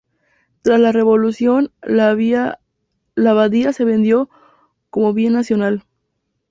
Tras la Revolución, la abadía se vendió como bien nacional.